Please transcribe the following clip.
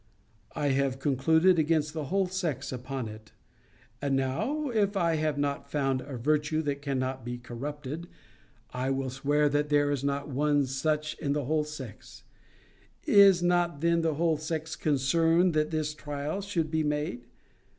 I have concluded against the whole sex upon it.' And now, if I have not found a virtue that cannot be corrupted, I will swear that there is not one such in the whole sex. Is not then the whole sex concerned that this trial should be made?